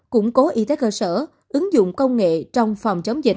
củng cố y tế cơ sở ứng dụng công nghệ trong phòng chống dịch